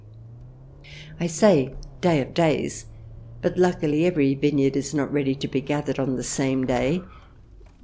I say " day of days," but luckily every vineyard is not ready to be gathered on the same day.